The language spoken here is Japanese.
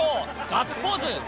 ガッツポーズ。